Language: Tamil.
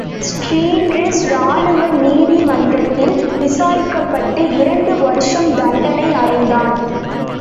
ஸீன்டிரிஸ் ராணுவ நீதி மன்றத்தில் விசாரிக்கப்பட்டு இரண்டு வருஷம் தண்டனை அடைந்தான்.